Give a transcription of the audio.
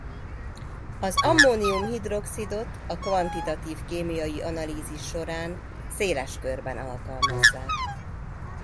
Az ammónium-hidroxidot a kvantitatív kémiai analízis során széles körben alkalmazzák.